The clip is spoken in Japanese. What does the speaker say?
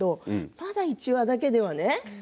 まだ１話だけではね。